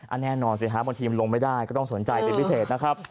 แน่นอนสิฮะบางทีมันลงไม่ได้ก็ต้องสนใจเป็นพิเศษนะครับ